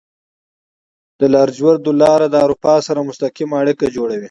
د لاجوردو لاره د اروپا سره مستقیمه اړیکه جوړوي.